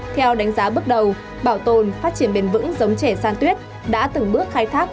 theo đánh giá bước đầu bảo tồn phát triển bền vững giống chè san tuyết đã từng bước khai thác